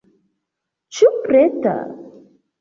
Ĉu preta?